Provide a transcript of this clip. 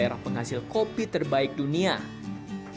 kepala kopi ini juga menjadikan kopi yang paling baik dari seluruh negara